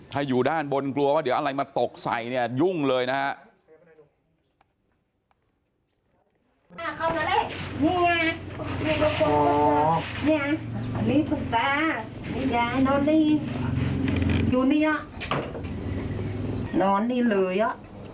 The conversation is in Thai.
ถ้าอยู่ด้านบนกลัวว่าเดี๋ยวอะไรมาตกใส่เนี่ยยุ่งเลยนะฮะ